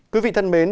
quý vị thân mến